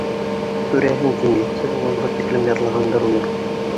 Күрәһең, диңгеҙсе булғанға тиклем йырлағандыр уны.